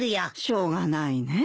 しょうがないね。